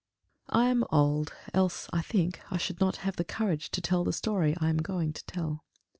I am old, else, I think, I should not have the courage to tell the story I am going to tell.